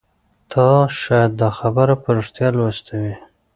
تا شاید دا خبر په ریښتیا لوستی وي